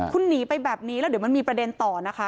คุณหนีไปแบบนี้แล้วเดี๋ยวมันมีประเด็นต่อนะคะ